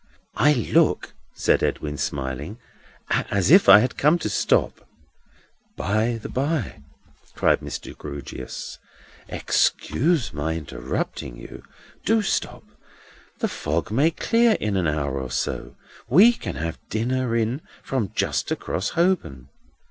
"I look," said Edwin, smiling, "as if I had come to stop." "—By the by," cried Mr. Grewgious; "excuse my interrupting you; do stop. The fog may clear in an hour or two. We can have dinner in from just across Holborn.